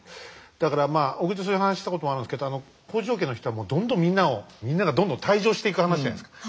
だからまあ小栗とそういう話したこともあるんですけど北条家の人はどんどんみんなをみんながどんどん退場していく話じゃないですか。